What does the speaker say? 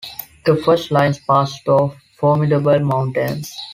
The first lines passed though formidable mountains.